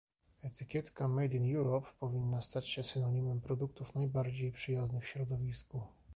Etykietka "Made in Europe" powinna stać się synonimem produktów najbardziej przyjaznych środowisku